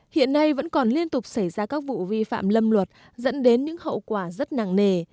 hiện nay vẫn còn liên tục xảy ra các vụ vi phạm lâm luật dẫn đến những hậu quả rất nặng nề